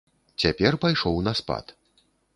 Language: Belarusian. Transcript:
Цяпер пайшоў на спад.